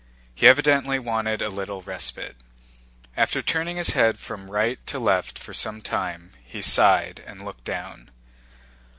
He evidently wanted a little respite. After turning his head from right to left for some time, he sighed and looked down.